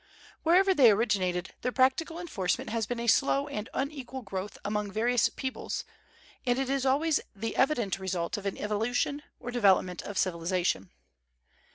Wherever they originated, their practical enforcement has been a slow and unequal growth among various peoples, and it is always the evident result of an evolution, or development of civilization.